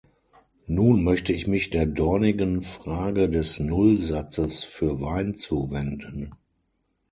Nun möchte ich mich der dornigen Frage des Nullsatzes für Wein zuwenden.